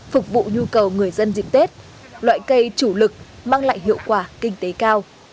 phục vụ nhu cầu người dân dịp tết loại cây chủ lực mang lại hiệu quả kinh tế cao